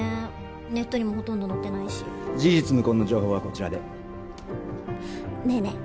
ネットにもほとんど載ってないし事実無根の情報はこちらでねえねえ